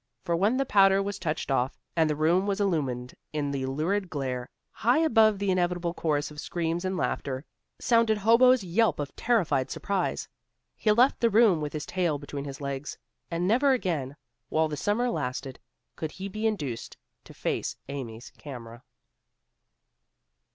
For when the powder was touched off and the room was illumined by the lurid glare, high above the inevitable chorus of screams and laughter, sounded Hobo's yelp of terrified surprise. He left the room with his tail between his legs, and never again, while the summer lasted, could he be induced to face Amy's camera.